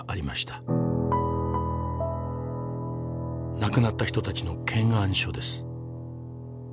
亡くなった人たちの検案書です。